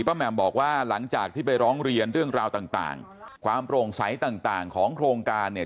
แหม่มบอกว่าหลังจากที่ไปร้องเรียนเรื่องราวต่างความโปร่งใสต่างของโครงการเนี่ย